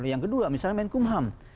yang kedua misalnya menko ham